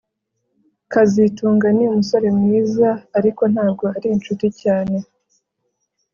kazitunga ni umusore mwiza ariko ntabwo ari inshuti cyane